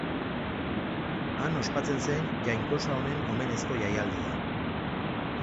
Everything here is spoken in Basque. Han ospatzen zen jainkosa honen omenezko jaialdia.